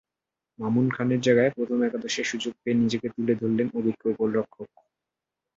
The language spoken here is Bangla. মামুন খানের জায়গায় প্রথম একাদশে সুযোগ পেয়ে নিজেকে তুলে ধরলেন অভিজ্ঞ গোলরক্ষক।